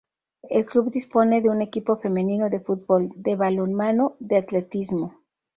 El club dispone de un equipo femenino de fútbol, de balonmano, de atletismo.